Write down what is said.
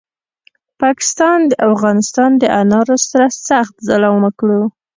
پاکستاد د افغانستان دانارو سره سخت ظلم وکړو